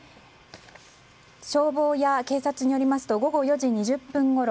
消防や警察によりますと午後４時２０分ごろ